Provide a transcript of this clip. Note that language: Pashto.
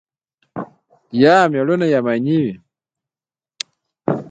یا مېړونه یا ماينې وي